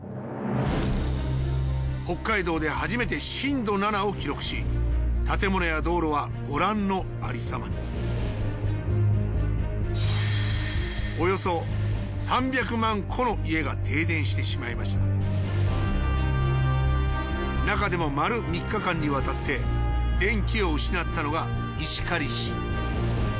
北海道で初めて震度７を記録し建物や道路はご覧のありさまにおよそ３００万戸の家が停電してしまいましたなかでも丸３日間にわたって電気を失ったのが石狩市。